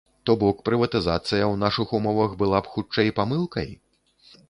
То бок, прыватызацыя ў нашых умовах была б хутчэй памылкай?